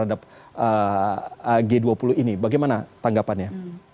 ada kebinekaan sunggal ika